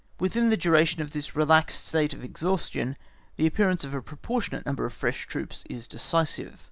Within the duration of this relaxed state of exhaustion, the appearance of a proportionate number of fresh troops is decisive.